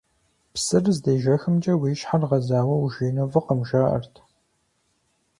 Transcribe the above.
Псыр здежэхымкӀэ уи щхьэр гъэзауэ ужеину фӀыкъым, жаӀэрт.